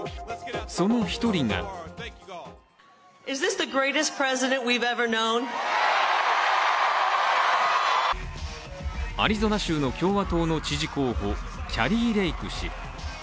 その一人がアリゾナ州の共和党の知事候補キャリー・レイク氏。